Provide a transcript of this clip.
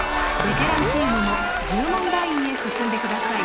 ベテランチームも１０問ラインへ進んでください。